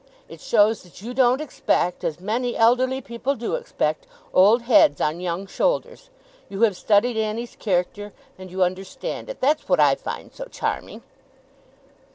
It shows that you don't expect, as many elderly people do expect, old heads on young shoulders. You have studied Annie's character, and you understand it. That's what I find so charming!